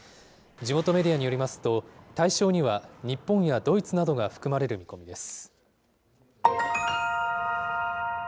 地元メディアによりますと、対象には、日本やドイツなどが含まれる見込みです。